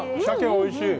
鮭おいしい！